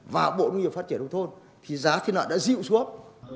và bộ nông nghiệp phát triển nông thôn thì giá thiết lợn đã dịu xuống